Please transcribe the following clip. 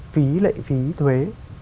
phí lệ phí thuế